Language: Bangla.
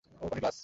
ওহ, পানির গ্লাস।